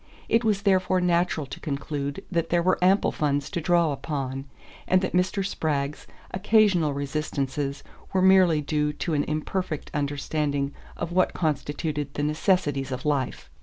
It was therefore natural to conclude that there were ample funds to draw upon, and that Mr. Spragg's occasional resistances were merely due to an imperfect understanding of what constituted the necessities of life.